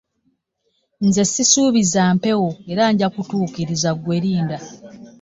Nze ssisuubiza mpewo era nja kutuukiriza ggwe linda.